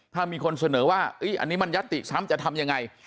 ถ้ามีคนเสนอว่าอันนี้มันยัตติซ้ำจะทำยังไง